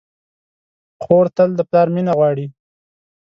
خور تل د پلار مینه غواړي.